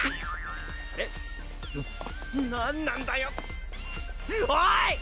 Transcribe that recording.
えっな何なんだよおい！